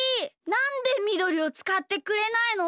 なんでみどりをつかってくれないの？